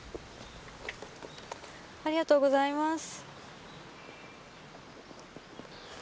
ありがとうございます。